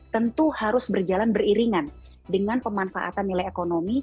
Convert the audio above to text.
tentu harus berjalan beriringan dengan pemanfaatan nilai ekonomi